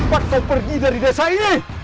sempat kau pergi dari desa ini